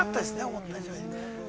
思った以上にね。